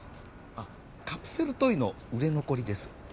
あカプセルトイの売れ残りです